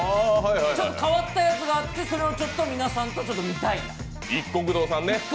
ちょっと変わったやつがあってそれを皆さんと見たい。